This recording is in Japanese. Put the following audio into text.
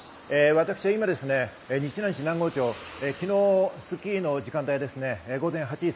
私は今、日南市南郷町、昨日、『スッキリ』の時間帯、午前８時３０分。